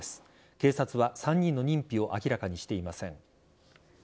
警察は３人の認否を明らかにしていません。